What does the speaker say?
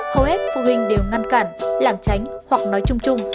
hầu hết phụ huynh đều ngăn cản lảng tránh hoặc nói chung chung